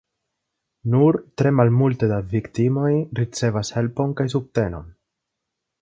Nur tre malmulte da viktimoj ricevas helpon kaj subtenon.